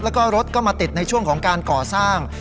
แล้วก็รถก็มาติดในช่วงของการก่อสร้าง